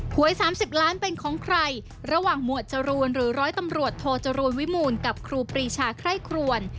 หวย๓๐ล้านเป็นของใครระหว่างหมวดจรูนหรือร้อยตำรวจโทจรูลวิมูลกับครูปรีชาไคร่ครวน